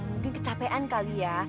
mungkin kecapean kali ya